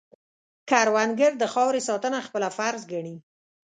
کروندګر د خاورې ساتنه خپله فرض ګڼي